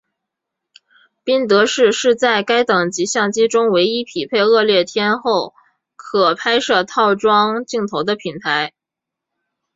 宾得士是在该等级相机中唯一配备恶劣天候可拍摄套装镜头的品牌。